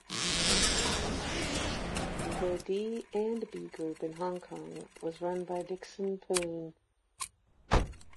The D and B Group in Hong Kong was run by Dickson Poon.